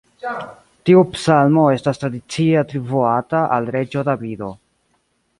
Tiu psalmo estas tradicie atribuata al reĝo Davido.